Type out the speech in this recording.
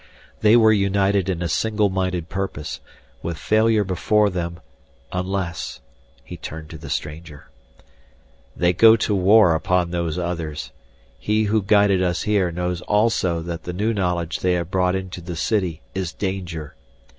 They were united in a single minded purpose, with failure before them unless He turned to the stranger. "They go to war upon Those Others. He who guided us here knows also that the new knowledge they have brought into the city is danger.